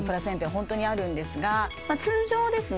本当にあるんですが通常ですね